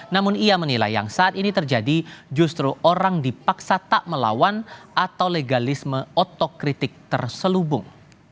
namun ia menilai yang saat ini terjadi justru orang dipaksa tak melawan atau legalisme otokritik terselubung